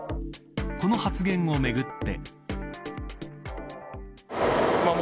この発言をめぐって。